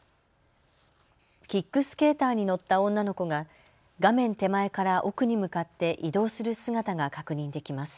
キックスケーターに乗った女の子が画面手前から奥に向かって移動する姿が確認できます。